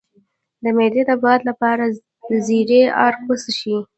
د معدې د باد لپاره د زیرې عرق وڅښئ